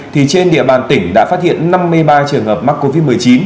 thì trên địa bàn tỉnh đã phát hiện năm mươi ba trường hợp mắc covid một mươi chín